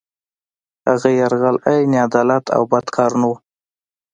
هغه یرغل عین عدالت او بد کار نه وو.